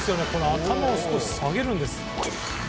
頭を少し下げるんです。